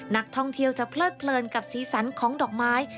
นักท่องเที่ยวจะเพลิดเพลินกับสีสันของดอกไม้